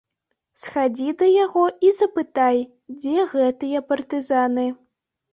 Схадзі да яго і запытай, дзе гэтыя партызаны.